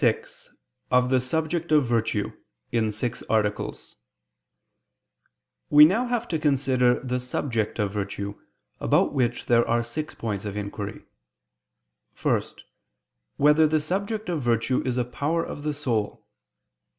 ________________________ QUESTION 56 OF THE SUBJECT OF VIRTUE (In Six Articles) We now have to consider the subject of virtue, about which there are six points of inquiry: (1) Whether the subject of virtue is a power of the soul?